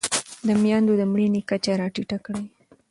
د مېندو د مړینې کچه راټیټه کړئ.